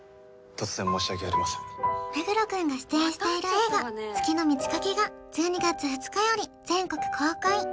突然申し訳ありません目黒くんが出演している映画「月の満ち欠け」が１２月２日より全国公開